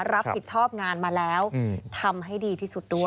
รับผิดชอบงานมาแล้วทำให้ดีที่สุดด้วย